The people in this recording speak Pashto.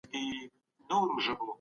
قانون بايد پر ټولو يو شان پلي سي.